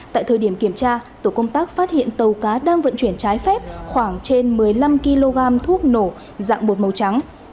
tại thời điểm kiểm tra tổ công tác phát hiện tàu cá đang vận chuyển trái phép khoảng trên một mươi năm kg thuốc nổ dạng bột màu trắng